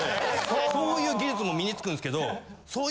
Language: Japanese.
こういう技術も身に付くんですけど。